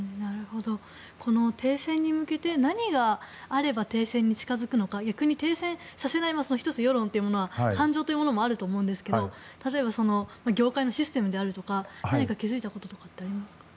停戦に向けて何があれば停戦に近づくのか逆に停戦させないものは１つ世論、感情というものもあると思うんですけど例えば業界のシステムとか何か気づいたこととかってありますか？